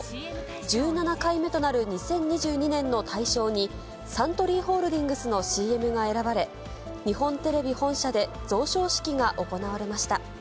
１７回目となる２０２２年の大賞に、サントリーホールディングスのＣＭが選ばれ、日本テレビ本社で贈賞式が行われました。